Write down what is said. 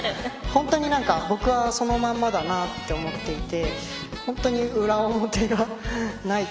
本当に僕はそのまんまだなって思ってて本当に裏表がない。